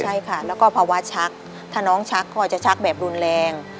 ใช่ค่ะแล้วก็ภาวะชักถ้าน้องชักก็จะชักแบบรุนแรง